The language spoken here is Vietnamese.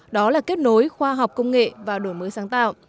đó là kết nối khoa học công nghệ và đổi mới sáng tạo